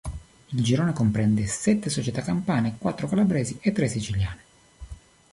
Il girone comprende sette società campane, quattro calabresi e tre siciliane.